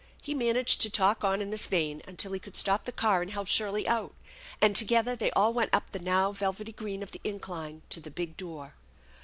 He managed to talk on in this vein until he could stop the car and help Shirley out, and together they all went up the now velvety green of the incline to the big door.